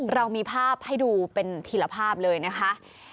เรามีภาพให้ดูเป็นทีละภาพเลยนะคะ